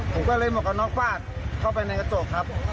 ผมก็เลยหมวกกันน็อกฟาดเข้าไปในกระจกครับ